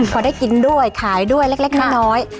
พอได้กินด้วยขายด้วยเล็กน้อย